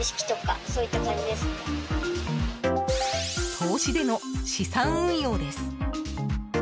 投資での資産運用です。